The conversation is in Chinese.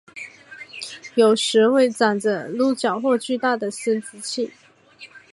有时会长着鹿角或巨大的生殖器。